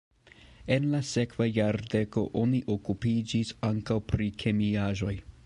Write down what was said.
En la sekva jardeko oni okupiĝis ankaŭ pri kemiaĵoj.